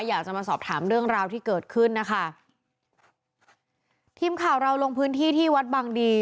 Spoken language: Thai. อยากจะมาสอบถามเรื่องราวที่เกิดขึ้นนะคะทีมข่าวเราลงพื้นที่ที่วัดบางดี